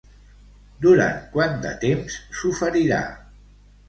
Durant quant de temps s'oferirà?